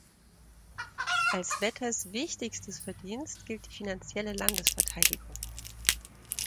Als Wetters wichtigstes Verdienst gilt die «finanzielle Landesverteidigung».